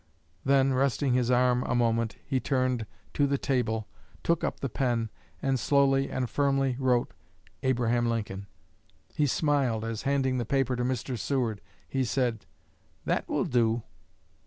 Then, resting his arm a moment, he turned to the table, took up the pen, and slowly and firmly wrote, ABRAHAM LINCOLN. He smiled as, handing the paper to Mr. Seward, he said, "That will do."